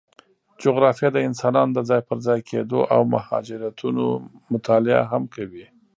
جغرافیه د انسانانو د ځای پر ځای کېدو او مهاجرتونو مطالعه هم کوي.